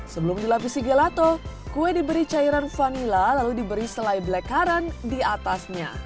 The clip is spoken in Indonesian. sebelum dilapisi gelato kue diberi cairan vanila lalu diberi selai black current di atasnya